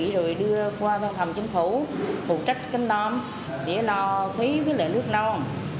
rồi đưa qua văn phòng chính phủ phụ trách kênh non để lo phí với lệ nước non